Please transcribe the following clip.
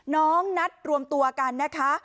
น้องนัดรวมตัวกันนะคะ